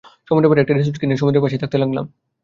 সমুদ্রের পাড়ে একটা রিসোর্ট কিনে সমুদ্রের পাশেই থাকতে লাগলাম।